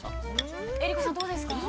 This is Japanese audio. ◆江里子さん、どうですか。